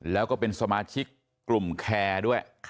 แล้วก็เป็นสมาชิกกลุ่มแคร์ด้วย